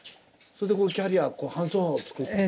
それでキャリア搬送波を作って。